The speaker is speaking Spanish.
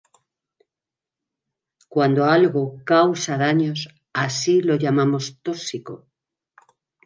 Cuando algo causa daños así lo llamamos tóxico.